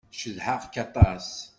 Cedhaɣ-k aṭas.